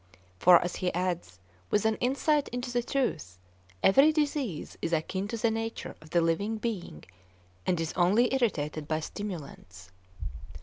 For, as he adds, with an insight into the truth, 'every disease is akin to the nature of the living being and is only irritated by stimulants.